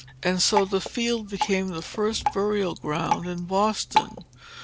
And so the field became the first burial ground in Boston.